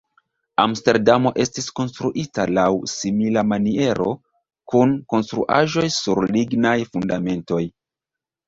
Amsterdamo estis konstruita laŭ simila maniero, kun konstruaĵoj sur lignaj fundamentoj.